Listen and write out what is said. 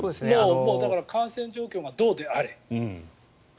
だから感染状況がどうであれ。